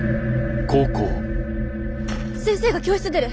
先生が教室出る。